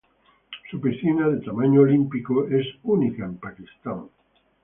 Su piscina de tamaño olímpico es única en Pakistán.